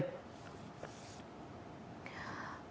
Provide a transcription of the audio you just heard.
học tập trung tại cơ sở chính của trường nơi có khoảng hai mươi ba sinh viên